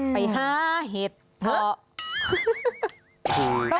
ไปห้าเห็ดเค้า